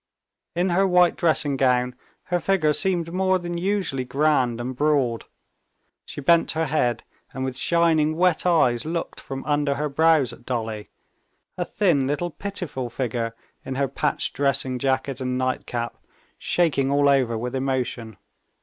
In her white dressing gown her figure seemed more than usually grand and broad. She bent her head, and with shining, wet eyes looked from under her brows at Dolly, a thin little pitiful figure in her patched dressing jacket and nightcap, shaking all over with emotion.